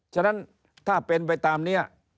ฉะนั้นถ้าเป็นไปตามนี้